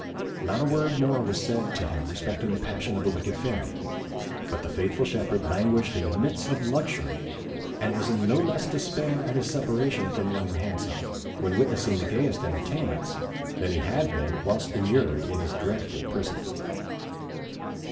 Not a word more was said to him respecting the passion of the wicked Fairy; but the faithful shepherd languished in the midst of luxury, and was in no less despair at his separation from Young and Handsome, when witnessing the gayest entertainments, than he had been whilst immured in his dreadful prison.